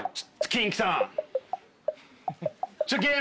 キンキさん。